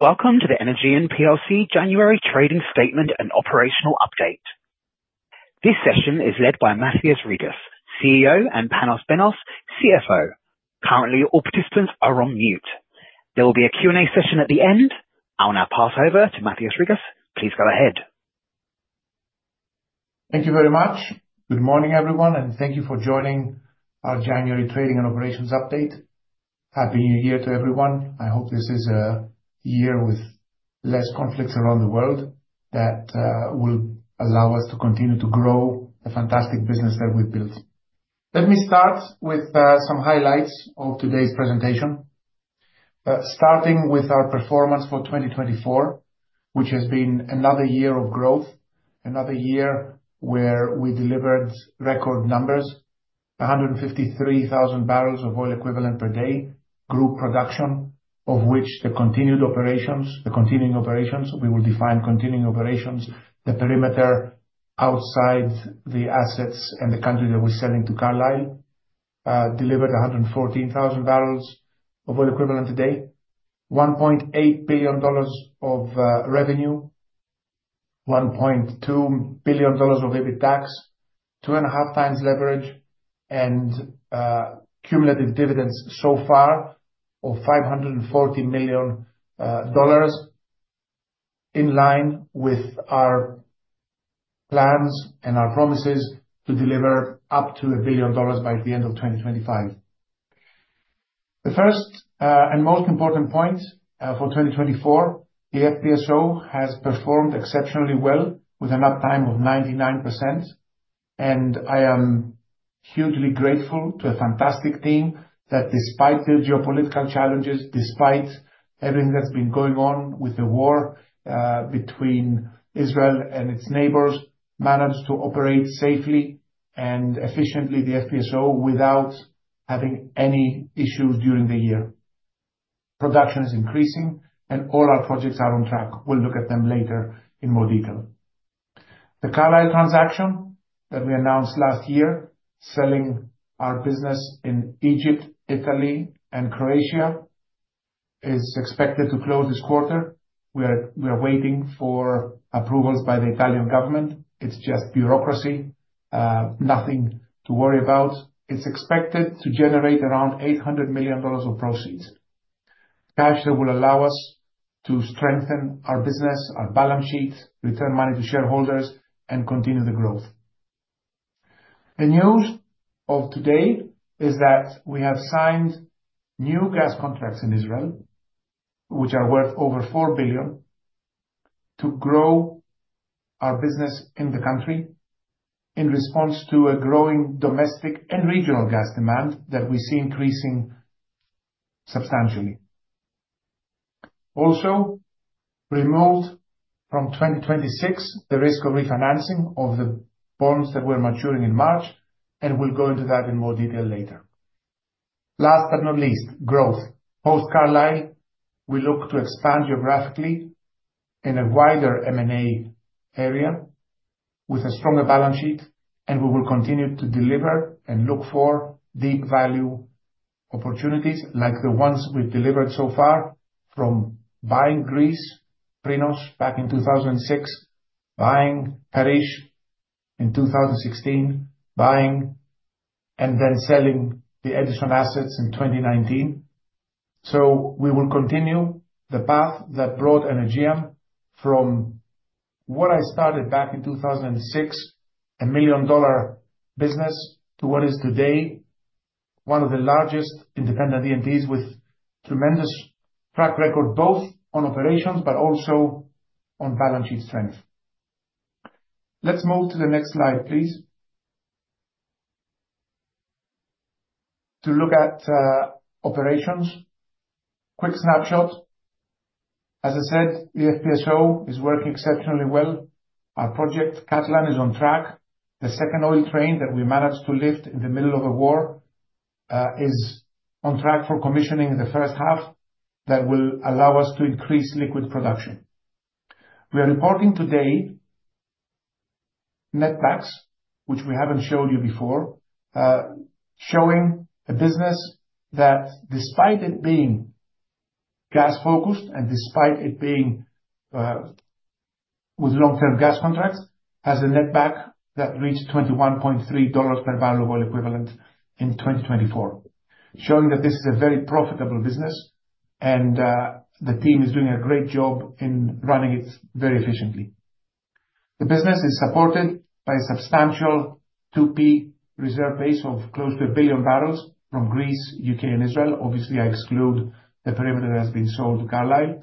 Welcome to the Energean plc January Trading Statement and Operational Update. This session is led by Mathios Rigas, CEO, and Panos Benos, CFO. Currently, all participants are on mute. There will be a Q&A session at the end. I'll now pass over to Mathios Rigas. Please go ahead. Thank you very much. Good morning, everyone, and thank you for joining our January Trading and Operations Update. Happy New Year to everyone. I hope this is a year with less conflicts around the world that will allow us to continue to grow the fantastic business that we've built. Let me start with some highlights of today's presentation, starting with our performance for 2024, which has been another year of growth, another year where we delivered record numbers: 153,000 barrels of oil equivalent per day group production, of which the continued operations, the continuing operations, we will define continuing operations, the perimeter outside the assets and the country that we're selling to Carlyle delivered 114,000 barrels of oil equivalent per day, $1.8 billion of revenue, $1.2 billion of EBITDAX, two and a half times leverage, and cumulative dividends so far of $540 million in line with our plans and our promises to deliver up to $1 billion by the end of 2025. The first and most important point for 2024, the FPSO has performed exceptionally well with an uptime of 99%, and I am hugely grateful to a fantastic team that, despite the geopolitical challenges, despite everything that's been going on with the war between Israel and its neighbors, managed to operate safely and efficiently the FPSO without having any issues during the year. Production is increasing, and all our projects are on track. We'll look at them later in more detail. The Carlyle transaction that we announced last year, selling our business in Egypt, Italy, and Croatia, is expected to close this quarter. We are waiting for approvals by the Italian government. It's just bureaucracy, nothing to worry about. It's expected to generate around $800 million of proceeds, cash that will allow us to strengthen our business, our balance sheet, return money to shareholders, and continue the growth. The news of today is that we have signed new gas contracts in Israel, which are worth over $4 billion, to grow our business in the country in response to a growing domestic and regional gas demand that we see increasing substantially. Also, removed from 2026, the risk of refinancing of the bonds that were maturing in March, and we'll go into that in more detail later. Last but not least, growth. Post-Carlyle, we look to expand geographically in a wider M&A area with a stronger balance sheet, and we will continue to deliver and look for deep value opportunities like the ones we've delivered so far from buying Greece, Prinos back in 2006, buying Karish in 2016, buying and then selling the Edison assets in 2019. So we will continue the path that brought Energean from what I started back in 2006, a million-dollar business, to what is today one of the largest independent E&Ps with tremendous track record both on operations but also on balance sheet strength. Let's move to the next slide, please, to look at operations. Quick snapshot. As I said, the FPSO is working exceptionally well. Our project Katlan is on track. The second oil train that we managed to lift in the middle of the war is on track for commissioning the first half that will allow us to increase liquid production. We are reporting today netback, which we haven't showed you before, showing a business that, despite it being gas-focused and despite it being with long-term gas contracts, has a netback that reached $21.3 per barrel of oil equivalent in 2024, showing that this is a very profitable business and the team is doing a great job in running it very efficiently. The business is supported by a substantial 2P reserve base of close to a billion barrels from Greece, U.K., and Israel. Obviously, I exclude the perimeter that has been sold to Carlyle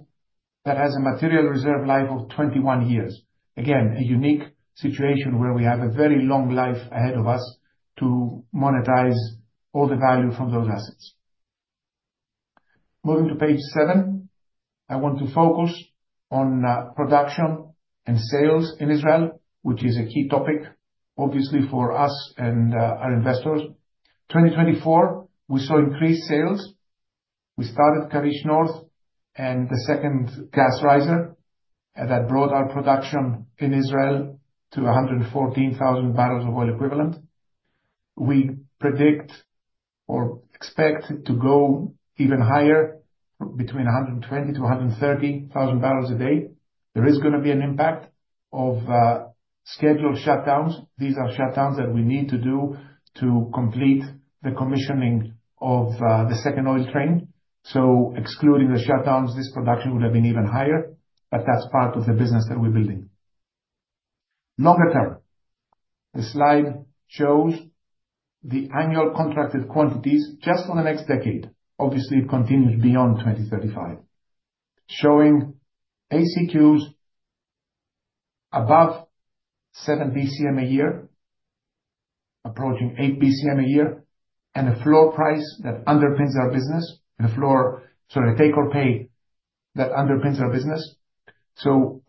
that has a material reserve life of 21 years. Again, a unique situation where we have a very long life ahead of us to monetize all the value from those assets. Moving to page seven, I want to focus on production and sales in Israel, which is a key topic, obviously, for us and our investors. In 2024, we saw increased sales. We started Karish North and the second gas riser that brought our production in Israel to 114,000 barrels of oil equivalent. We predict or expect to go even higher, between 120,000-130,000 barrels a day. There is going to be an impact of scheduled shutdowns. These are shutdowns that we need to do to complete the commissioning of the second oil train. So excluding the shutdowns, this production would have been even higher, but that's part of the business that we're building. Longer term, the slide shows the annual contracted quantities just for the next decade. Obviously, it continues beyond 2035, showing ACQs above seven BCM a year, approaching eight BCM a year, and a floor price that underpins our business, a floor, sorry, a take-or-pay that underpins our business.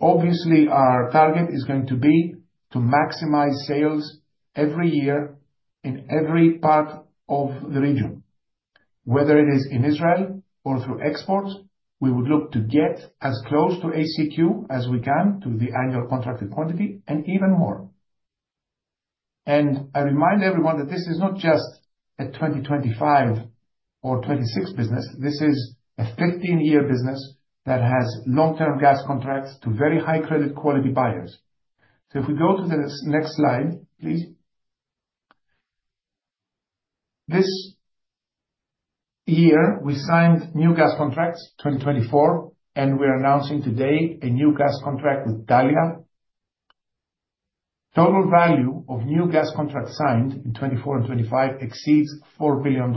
Obviously, our target is going to be to maximize sales every year in every part of the region, whether it is in Israel or through exports. We would look to get as close to ACQ as we can to the annual contracted quantity and even more. I remind everyone that this is not just a 2025 or 2026 business. This is a 15-year business that has long-term gas contracts to very high credit quality buyers. If we go to the next slide, please. This year, we signed new gas contracts in 2024, and we're announcing today a new gas contract with Dalia. Total value of new gas contracts signed in 2024 and 2025 exceeds $4 billion,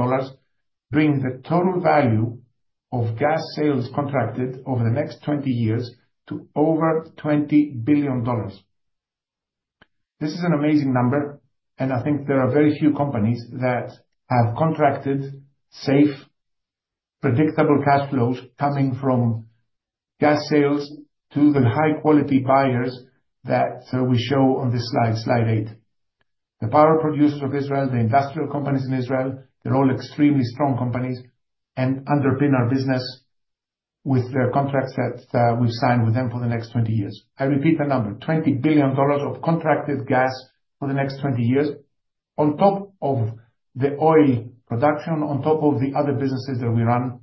bringing the total value of gas sales contracted over the next 20 years to over $20 billion. This is an amazing number, and I think there are very few companies that have contracted safe, predictable cash flows coming from gas sales to the high-quality buyers that we show on this slide, slide eight. The power producers of Israel, the industrial companies in Israel, they're all extremely strong companies and underpin our business with their contracts that we've signed with them for the next 20 years. I repeat the number: $20 billion of contracted gas for the next 20 years, on top of the oil production, on top of the other businesses that we run,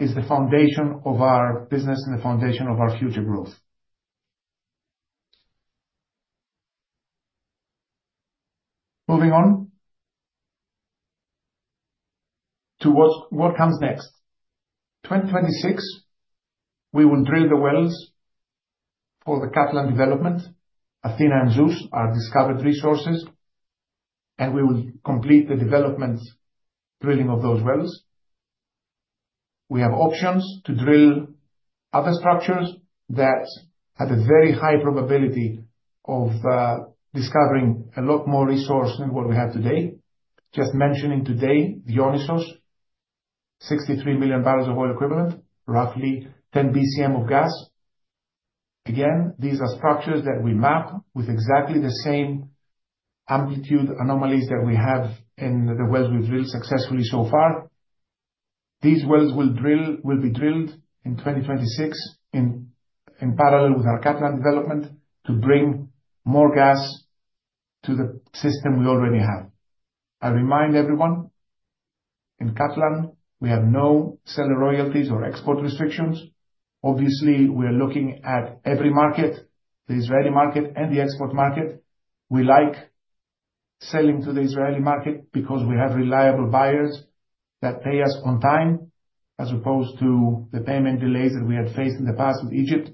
is the foundation of our business and the foundation of our future growth. Moving on to what comes next. 2026, we will drill the wells for the Katlan development. Athena and Zeus are discovered resources, and we will complete the development drilling of those wells. We have options to drill other structures that have a very high probability of discovering a lot more resources than what we have today. Just mentioning today, the Orion, 63 million barrels of oil equivalent, roughly 10 BCM of gas. Again, these are structures that we map with exactly the same amplitude anomalies that we have in the wells we've drilled successfully so far. These wells will be drilled in 2026 in parallel with our Katlan development to bring more gas to the system we already have. I remind everyone in Katlan, we have no seller royalties or export restrictions. Obviously, we are looking at every market, the Israeli market and the export market. We like selling to the Israeli market because we have reliable buyers that pay us on time as opposed to the payment delays that we had faced in the past with Egypt.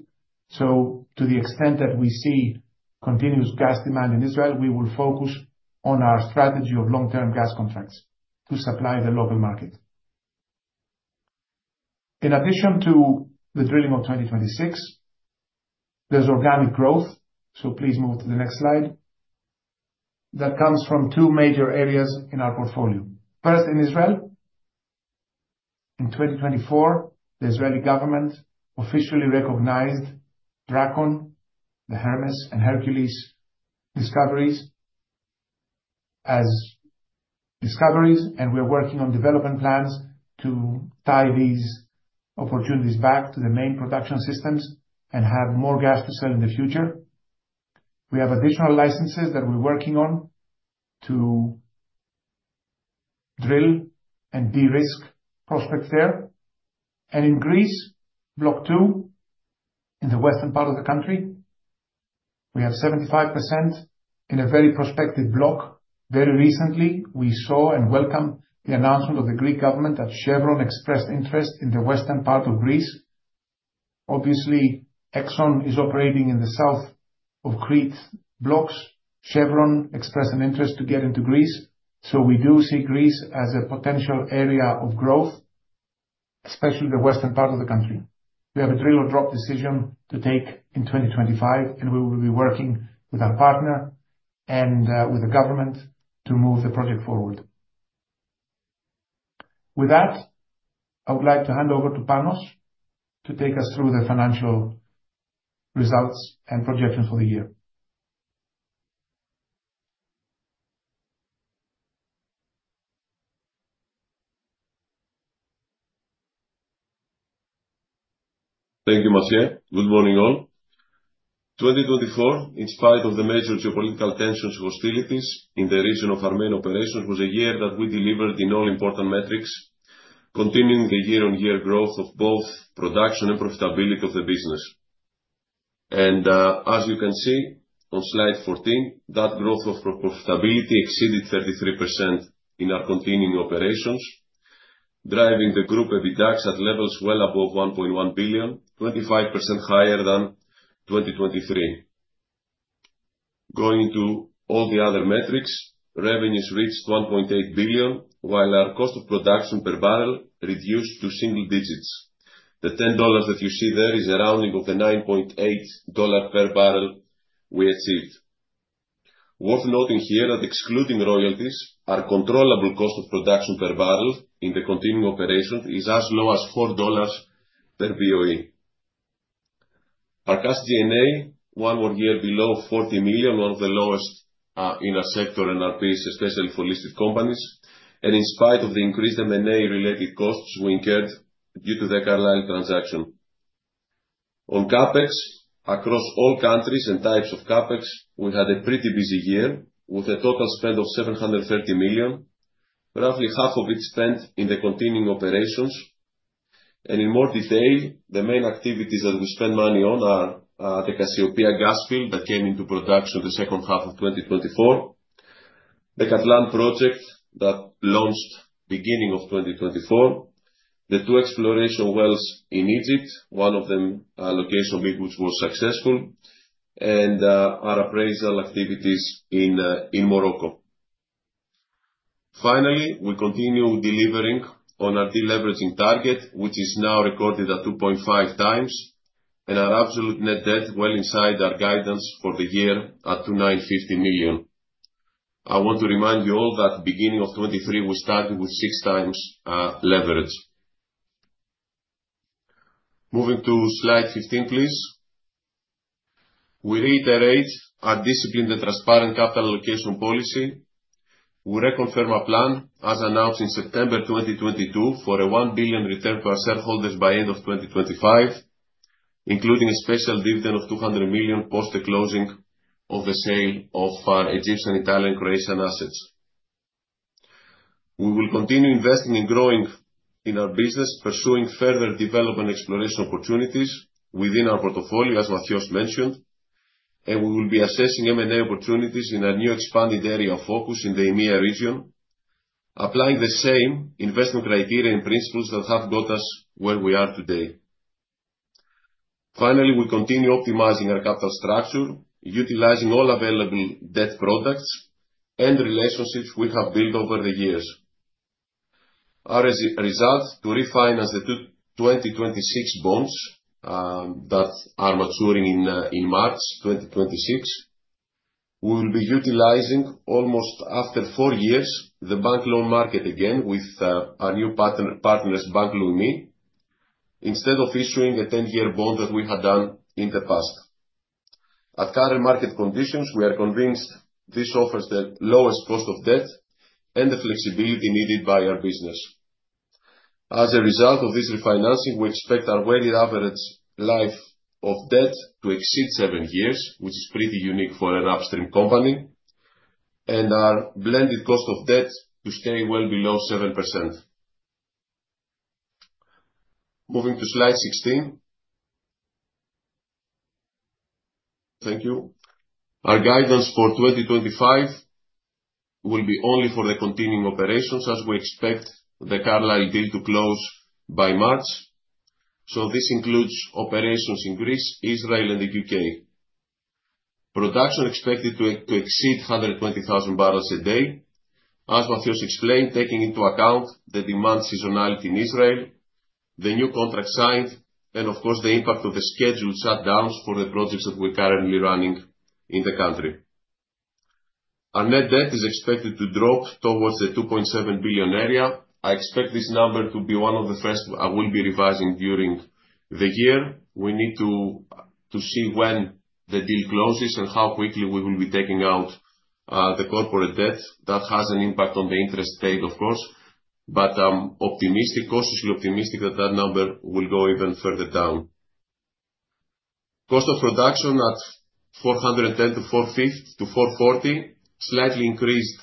So to the extent that we see continuous gas demand in Israel, we will focus on our strategy of long-term gas contracts to supply the local market. In addition to the drilling of 2026, there's organic growth, so please move to the next slide, that comes from two major areas in our portfolio. First, in Israel, in 2024, the Israeli government officially recognized Dragon, the Hermes, and Hercules discoveries as discoveries, and we are working on development plans to tie these opportunities back to the main production systems and have more gas to sell in the future. We have additional licenses that we're working on to drill and de-risk prospects there. In Greece, block two, in the western part of the country, we have 75% in a very prospective block. Very recently, we saw and welcomed the announcement of the Greek government that Chevron expressed interest in the western part of Greece. Obviously, Exxon is operating in the south of Crete blocks. Chevron expressed an interest to get into Greece. So we do see Greece as a potential area of growth, especially the western part of the country. We have a drill or drop decision to take in 2025, and we will be working with our partner and with the government to move the project forward. With that, I would like to hand over to Panos to take us through the financial results and projections for the year. Thank you, Manthios. Good morning, all. 2024, in spite of the major geopolitical tensions and hostilities in the region of our operations, was a year that we delivered in all important metrics, continuing the year-on-year growth of both production and profitability of the business, and as you can see on Slide 14, that growth of profitability exceeded 33% in our continuing operations, driving the group EBITDAX at levels well above $1.1 billion, 25% higher than 2023. Going to all the other metrics, revenues reached $1.8 billion, while our cost of production per barrel reduced to single digits. The $10 that you see there is a rounding of the $9.8 per barrel we achieved. Worth noting here that excluding royalties, our controllable cost of production per barrel in the continuing operations is as low as $4 per BOE. Our Cash SG&A one more year below $40 million, one of the lowest in our sector and our peers, especially for listed companies, in spite of the increased M&A-related costs we incurred due to the Carlyle transaction. On CapEx, across all countries and types of CapEx, we had a pretty busy year with a total spend of $730 million, roughly half of it spent in the continuing operations, in more detail, the main activities that we spend money on are the Cassiopeia gas field that came into production the second half of 2024, the Katlan project that launched beginning of 2024, the two exploration wells in Egypt, one of them a location which was successful, and our appraisal activities in Morocco. Finally, we continue delivering on our deleveraging target, which is now recorded at 2.5 times, and our absolute net debt well inside our guidance for the year at $2.95 billion. I want to remind you all that beginning of 2023, we started with six times leverage. Moving to slide 15, please. We reiterate our discipline and transparent capital allocation policy. We reconfirm our plan, as announced in September 2022, for a $1 billion return to our shareholders by end of 2025, including a special dividend of $200 million post the closing of the sale of Egyptian, Italian, and Croatian assets. We will continue investing and growing in our business, pursuing further development exploration opportunities within our portfolio, as Mathios mentioned, and we will be assessing M&A opportunities in our new expanded area of focus in the EMEA region, applying the same investment criteria and principles that have got us where we are today. Finally, we continue optimizing our capital structure, utilizing all available debt products and relationships we have built over the years. As a result, to refinance the 2026 bonds that are maturing in March 2026, we will be utilizing, almost after four years, the bank loan market again with our new partners, Bank Leumi, instead of issuing a 10-year bond that we had done in the past. At current market conditions, we are convinced this offers the lowest cost of debt and the flexibility needed by our business. As a result of this refinancing, we expect our weighted average life of debt to exceed seven years, which is pretty unique for an upstream company, and our blended cost of debt to stay well below 7%. Moving to slide 16. Thank you. Our guidance for 2025 will be only for the continuing operations, as we expect the Carlisle deal to close by March. So this includes operations in Greece, Israel, and the U.K. Production expected to exceed 120,000 barrels a day, as Mathios explained, taking into account the demand seasonality in Israel, the new contract signed, and of course, the impact of the scheduled shutdowns for the projects that we're currently running in the country. Our net debt is expected to drop towards the $2.7 billion area. I expect this number to be one of the first I will be revising during the year. We need to see when the deal closes and how quickly we will be taking out the corporate debt that has an impact on the interest paid, of course, but I'm optimistic, cautiously optimistic that that number will go even further down. Cost of production at $410 to $450 to $440, slightly increased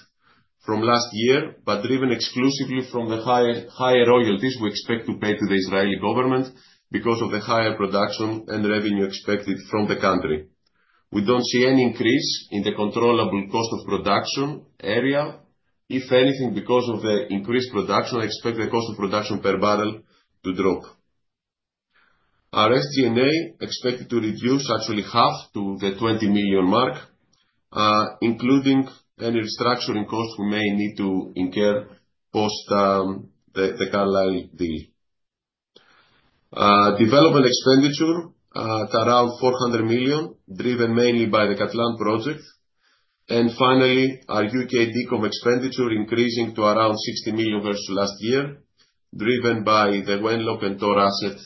from last year, but driven exclusively from the higher royalties we expect to pay to the Israeli government because of the higher production and revenue expected from the country. We don't see any increase in the controllable cost of production area. If anything, because of the increased production, I expect the cost of production per barrel to drop. Our SG&A expected to reduce actually half to the $20 million mark, including any restructuring costs we may need to incur post the Carlyle deal. Development expenditure at around $400 million, driven mainly by the Katlan project. And finally, our U.K Decom expenditure increasing to around $60 million versus last year, driven by the Wenlock and Tors asset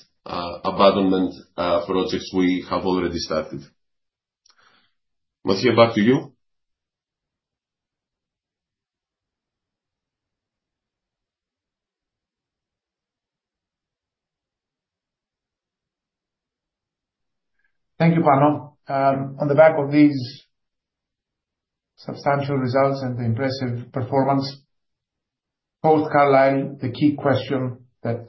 abandonment projects we have already started. Mathios, back to you. Thank you, Panos. On the back of these substantial results and the impressive performance, post-Carlisle, the key question that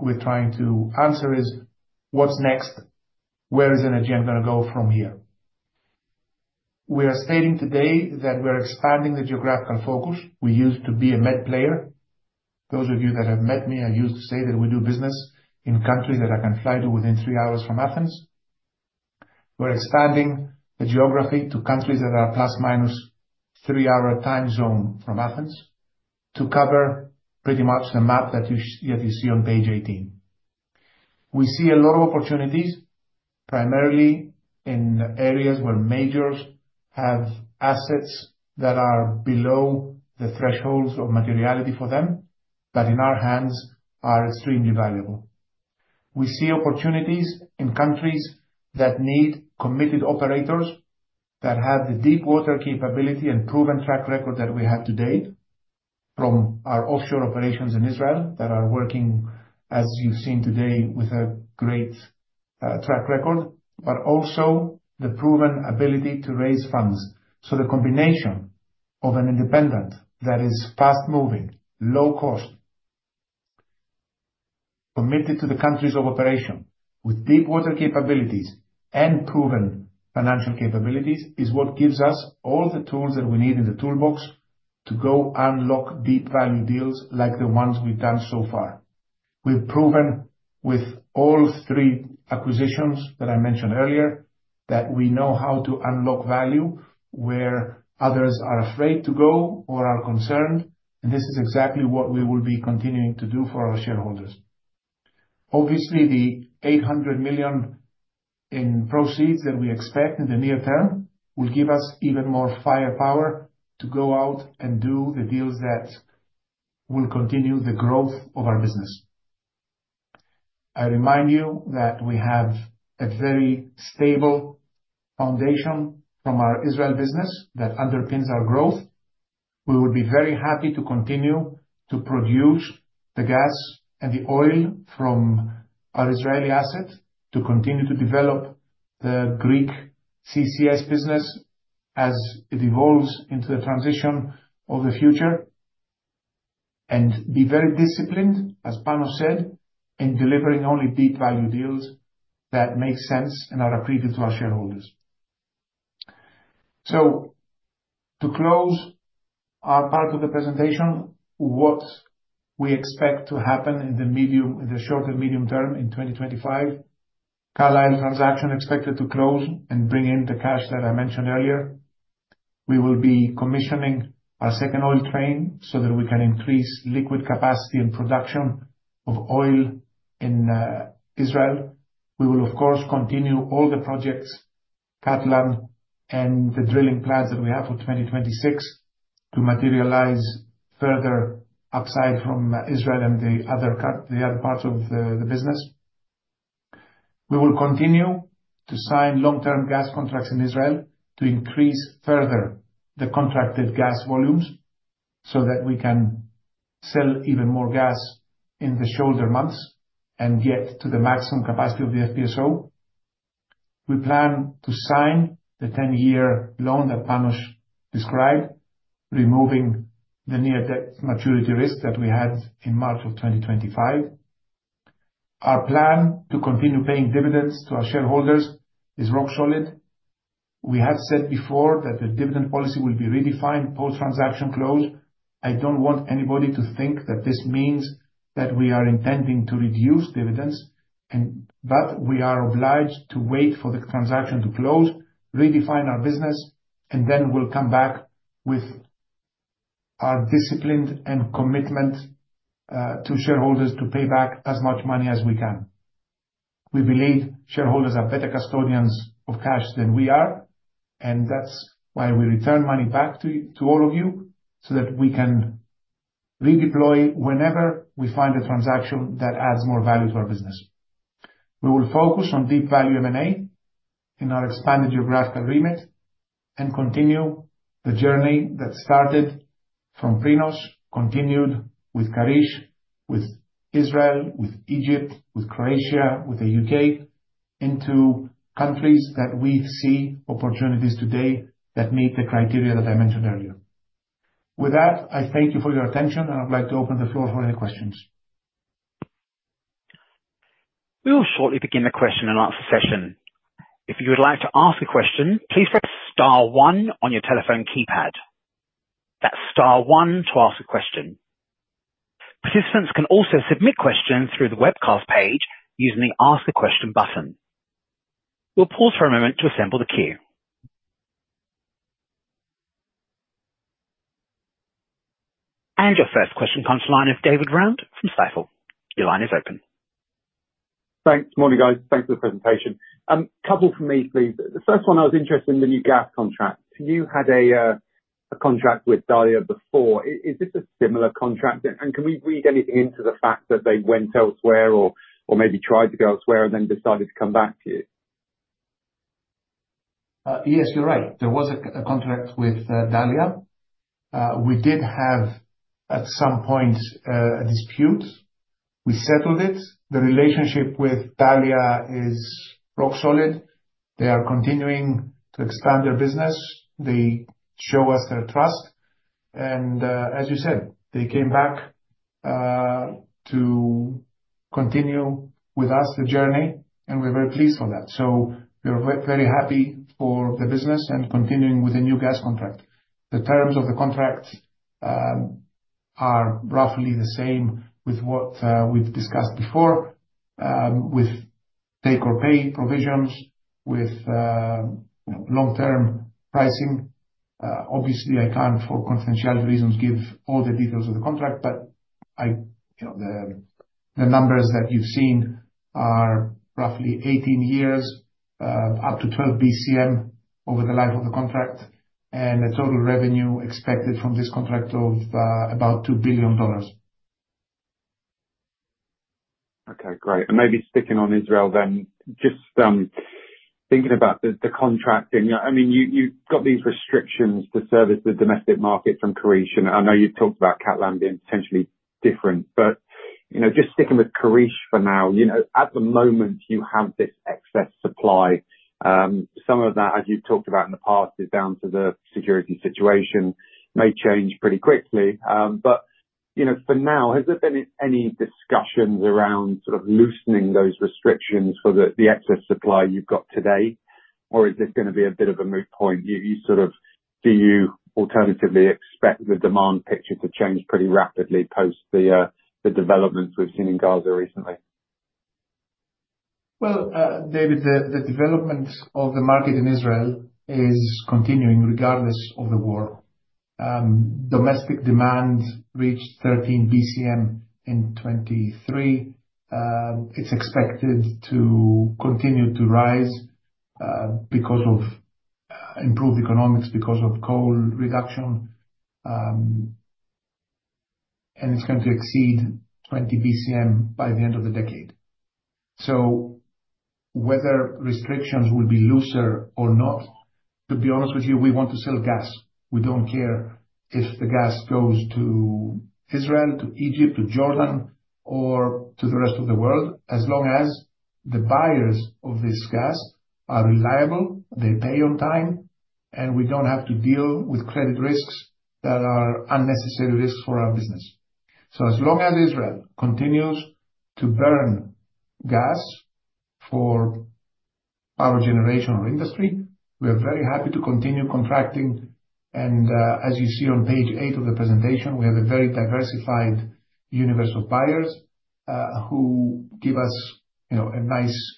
we're trying to answer is, what's next? Where is Energean going to go from here? We are stating today that we are expanding the geographical focus. We used to be a med player. Those of you that have met me, I used to say that we do business in countries that I can fly to within three hours from Athens. We're expanding the geography to countries that are plus minus three-hour time zone from Athens to cover pretty much the map that you see on page 18. We see a lot of opportunities, primarily in areas where majors have assets that are below the thresholds of materiality for them, but in our hands are extremely valuable. We see opportunities in countries that need committed operators that have the deep water capability and proven track record that we have today from our offshore operations in Israel that are working, as you've seen today, with a great track record, but also the proven ability to raise funds. So the combination of an independent that is fast-moving, low-cost, committed to the countries of operation with deep water capabilities and proven financial capabilities is what gives us all the tools that we need in the toolbox to go unlock deep value deals like the ones we've done so far. We've proven with all three acquisitions that I mentioned earlier that we know how to unlock value where others are afraid to go or are concerned, and this is exactly what we will be continuing to do for our shareholders. Obviously, the $800 million in proceeds that we expect in the near term will give us even more firepower to go out and do the deals that will continue the growth of our business. I remind you that we have a very stable foundation from our Israel business that underpins our growth. We will be very happy to continue to produce the gas and the oil from our Israeli asset, to continue to develop the Greek CCS business as it evolves into the transition of the future, and be very disciplined, as Panos said, in delivering only deep value deals that make sense and are appreciated to our shareholders. So, to close our part of the presentation, what we expect to happen in the short and medium term in 2025: Carlisle transaction expected to close and bring in the cash that I mentioned earlier. We will be commissioning our second oil train so that we can increase liquid capacity and production of oil in Israel. We will, of course, continue all the projects, Katlan, and the drilling plans that we have for 2026 to materialize further outside from Israel and the other parts of the business. We will continue to sign long-term gas contracts in Israel to increase further the contracted gas volumes so that we can sell even more gas in the shoulder months and get to the maximum capacity of the FPSO. We plan to sign the 10-year loan that Panos described, removing the near-term maturity risk that we had in March of 2025. Our plan to continue paying dividends to our shareholders is rock solid. We have said before that the dividend policy will be redefined post-transaction close. I don't want anybody to think that this means that we are intending to reduce dividends, but we are obliged to wait for the transaction to close, redefine our business, and then we'll come back with our discipline and commitment to shareholders to pay back as much money as we can. We believe shareholders are better custodians of cash than we are, and that's why we return money back to all of you so that we can redeploy whenever we find a transaction that adds more value to our business. We will focus on deep value M&A in our expanded geographical remit and continue the journey that started from Prinos, continued with Karish, with Israel, with Egypt, with Croatia, with the U.K, into countries that we see opportunities today that meet the criteria that I mentioned earlier. With that, I thank you for your attention, and I'd like to open the floor for any questions. We will shortly begin the question and answer session. If you would like to ask a question, please press * 1 on your telephone keypad. That's * 1 to ask a question. Participants can also submit questions through the webcast page using the Ask a Question button. We'll pause for a moment to assemble the queue. And your first question comes to the line of David Round from Stifel. Your line is open. Thanks. Morning, guys. Thanks for the presentation. A couple for me, please. The first one, I was interested in the new gas contract. You had a contract with Dalia before. Is this a similar contract? And can we read anything into the fact that they went elsewhere or maybe tried to go elsewhere and then decided to come back to you? Yes, you're right. There was a contract with Dalia. We did have at some point a dispute. We settled it. The relationship with Dalia is rock solid. They are continuing to expand their business. They show us their trust. And as you said, they came back to continue with us the journey, and we're very pleased for that. So we're very happy for the business and continuing with the new gas contract. The terms of the contract are roughly the same with what we've discussed before, with take or pay provisions, with long-term pricing. Obviously, I can't, for confidentiality reasons, give all the details of the contract, but the numbers that you've seen are roughly 18 years, up to 12 BCM over the life of the contract, and the total revenue expected from this contract of about $2 billion. Okay, great. And maybe sticking on Israel then, just thinking about the contracting, I mean, you've got these restrictions to service the domestic market from Karish, and I know you've talked about Katlan being potentially different, but just sticking with Karish for now, at the moment, you have this excess supply. Some of that, as you've talked about in the past, is down to the security situation. May change pretty quickly. But for now, has there been any discussions around sort of loosening those restrictions for the excess supply you've got today? Or is this going to be a bit of a moot point? Do you alternatively expect the demand picture to change pretty rapidly post the developments we've seen in Gaza recently? Well, David, the development of the market in Israel is continuing regardless of the war. Domestic demand reached 13 BCM in 2023. It's expected to continue to rise because of improved economics, because of coal reduction, and it's going to exceed 20 BCM by the end of the decade. So whether restrictions will be looser or not, to be honest with you, we want to sell gas. We don't care if the gas goes to Israel, to Egypt, to Jordan, or to the rest of the world, as long as the buyers of this gas are reliable, they pay on time, and we don't have to deal with credit risks that are unnecessary risks for our business. So as long as Israel continues to burn gas for power generation or industry, we are very happy to continue contracting. And as you see on page eight of the presentation, we have a very diversified universe of buyers who give us a nice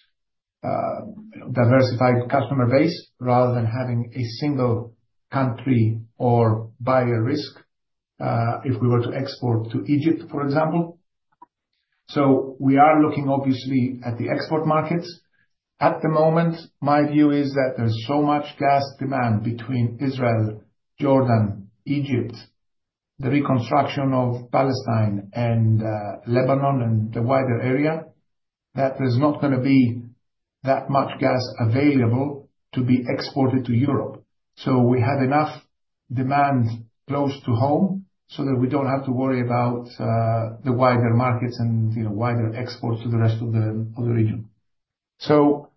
diversified customer base rather than having a single country or buyer risk if we were to export to Egypt, for example. So we are looking, obviously, at the export markets. At the moment, my view is that there's so much gas demand between Israel, Jordan, Egypt, the reconstruction of Palestine and Lebanon and the wider area that there's not going to be that much gas available to be exported to Europe. So we have enough demand close to home so that we don't have to worry about the wider markets and wider exports to the rest of the region. So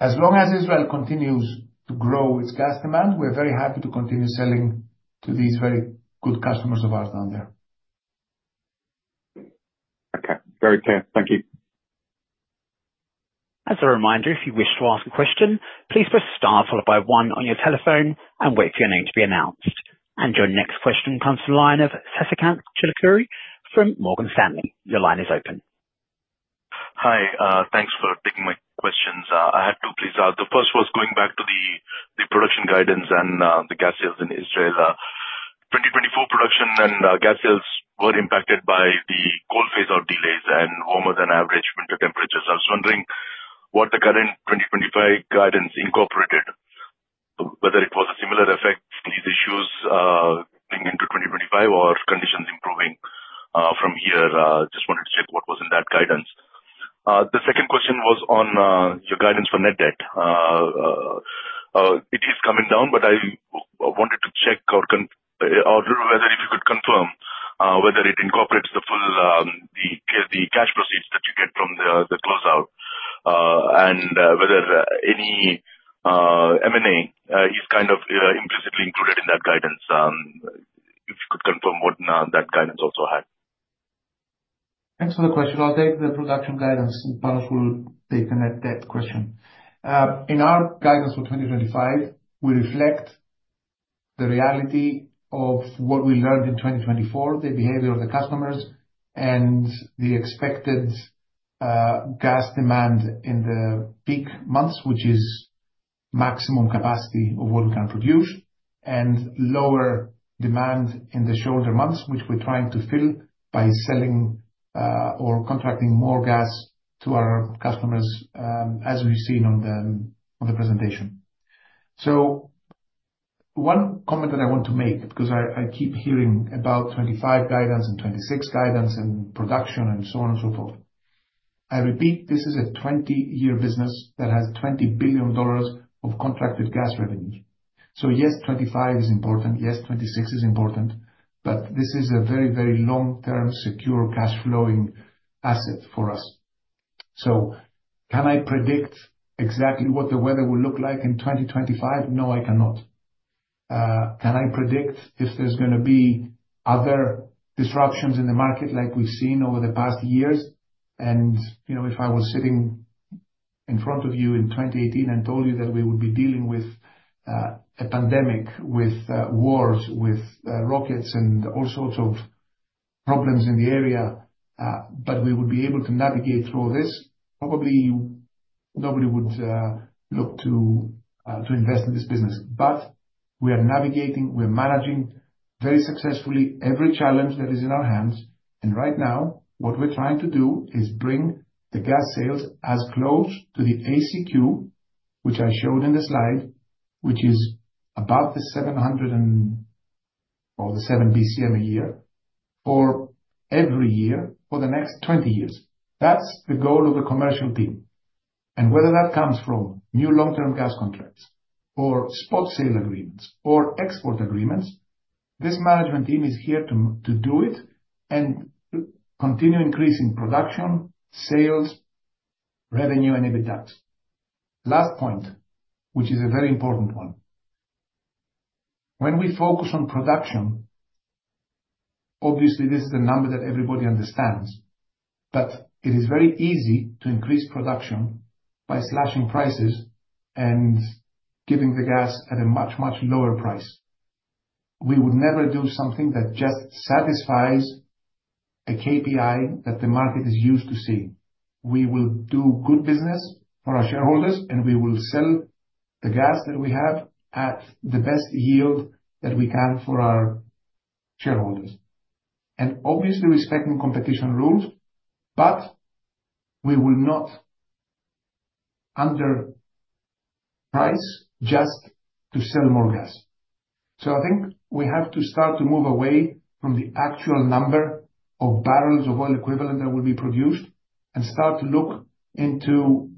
as long as Israel continues to grow its gas demand, we're very happy to continue selling to these very good customers of ours down there. Okay. Very clear. Thank you. As a reminder, if you wish to ask a question, please press * followed by 1 on your telephone and wait for your name to be announced. And your next question comes from the line of Sasikanth Chilukuru from Morgan Stanley. Your line is open. Hi. Thanks for taking my questions. I had two, please. The first was going back to the production guidance and the gas sales in Israel. 2024 production and gas sales were impacted by the coal phase-out delays and warmer-than-average winter temperatures. I was wondering what the current 2025 guidance incorporated, whether it was a similar effect, these issues going into 2025, or conditions improving from here. Just wanted to check what was in that guidance. The second question was on your guidance for net debt. It is coming down, but I wanted to check whether if you could confirm whether it incorporates the cash proceeds that you get from the closeout and whether any M&A is kind of implicitly included in that guidance. If you could confirm what that guidance also had. Thanks for the question. I'll take the production guidance, and Panos will take the net debt question. In our guidance for 2025, we reflect the reality of what we learned in 2024, the behavior of the customers, and the expected gas demand in the peak months, which is maximum capacity of what we can produce, and lower demand in the shoulder months, which we're trying to fill by selling or contracting more gas to our customers, as we've seen on the presentation. So one comment that I want to make, because I keep hearing about 2025 guidance and 2026 guidance and production and so on and so forth. I repeat, this is a 20-year business that has $20 billion of contracted gas revenues. So yes, 2025 is important. Yes, 2026 is important, but this is a very, very long-term secure cash-flowing asset for us. So can I predict exactly what the weather will look like in 2025? No, I cannot. Can I predict if there's going to be other disruptions in the market like we've seen over the past years? And if I was sitting in front of you in 2018 and told you that we would be dealing with a pandemic, with wars, with rockets, and all sorts of problems in the area, but we would be able to navigate through all this, probably nobody would look to invest in this business. But we are navigating. We're managing very successfully every challenge that is in our hands. And right now, what we're trying to do is bring the gas sales as close to the ACQ, which I showed in the slide, which is above the 700 or the 7 BCM a year for every year for the next 20 years. That's the goal of the commercial team. And whether that comes from new long-term gas contracts or spot sale agreements or export agreements, this management team is here to do it and continue increasing production, sales, revenue, and EBITDA. Last point, which is a very important one. When we focus on production, obviously, this is a number that everybody understands, but it is very easy to increase production by slashing prices and giving the gas at a much, much lower price. We would never do something that just satisfies a KPI that the market is used to see. We will do good business for our shareholders, and we will sell the gas that we have at the best yield that we can for our shareholders, and obviously, respecting competition rules, but we will not underprice just to sell more gas. I think we have to start to move away from the actual number of barrels of oil equivalent that will be produced and start to look into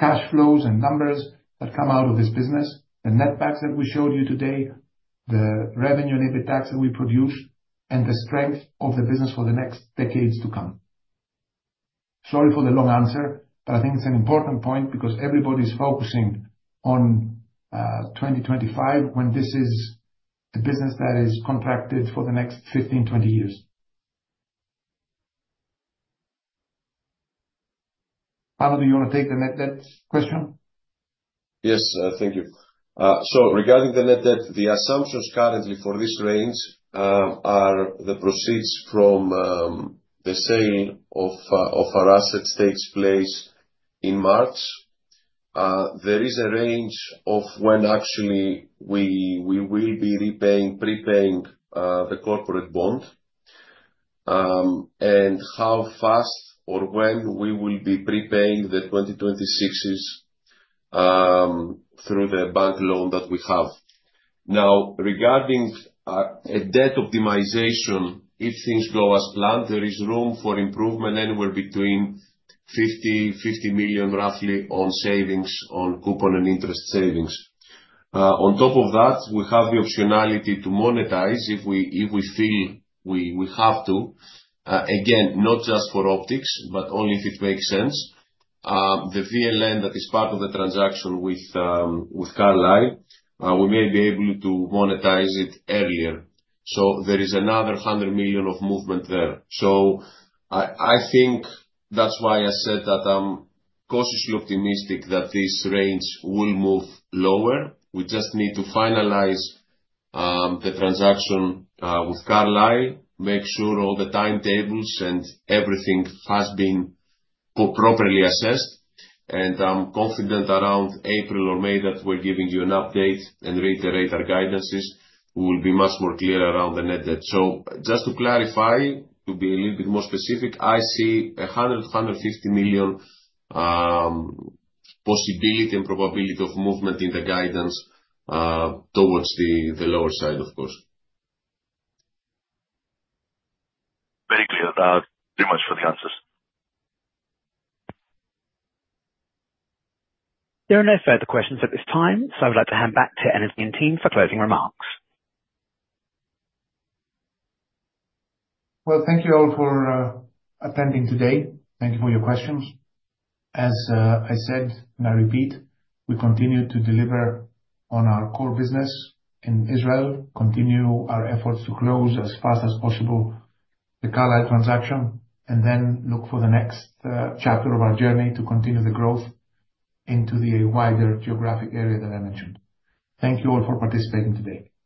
cash flows and numbers that come out of this business, the netback that we showed you today, the revenue and EBITDAX that we produce, and the strength of the business for the next decades to come. Sorry for the long answer, but I think it's an important point because everybody's focusing on 2025 when this is a business that is contracted for the next 15, 20 years. Panos, do you want to take the net debt question? Yes, thank you. So regarding the net debt, the assumptions currently for this range are the proceeds from the sale of our assets takes place in March. There is a range of when actually we will be repaying, prepaying the corporate bond and how fast or when we will be prepaying the 2026s through the bank loan that we have. Now, regarding a debt optimization, if things go as planned, there is room for improvement anywhere between $50-$50 million, roughly, on savings, on coupon and interest savings. On top of that, we have the optionality to monetize if we feel we have to. Again, not just for optics, but only if it makes sense. The VLN that is part of the transaction with Carlyle, we may be able to monetize it earlier. So there is another $100 million of movement there. So I think that's why I said that I'm cautiously optimistic that this range will move lower. We just need to finalize the transaction with Carlyle, make sure all the timetables and everything has been properly assessed, and I'm confident around April or May that we're giving you an update and reiterate our guidances. We will be much more clear around the net debt, so just to clarify, to be a little bit more specific, I see $100-$150 million possibility and probability of movement in the guidance towards the lower side, of course. Very clear. That's pretty much for the answers. There are no further questions at this time, so I would like to hand back to Energean team for closing remarks. Well, thank you all for attending today. Thank you for your questions. As I said, and I repeat, we continue to deliver on our core business in Israel, continue our efforts to close as fast as possible the Carlyle transaction, and then look for the next chapter of our journey to continue the growth into the wider geographic area that I mentioned. Thank you all for participating today.